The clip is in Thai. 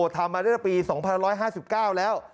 ทำมาได้ปี๒๑๕๙แล้ว